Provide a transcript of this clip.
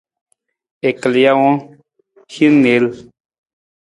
U kal jawang, hin niil.